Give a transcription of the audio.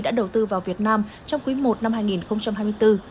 đã đầu tư vào việt nam trong quý i năm hai nghìn hai mươi bốn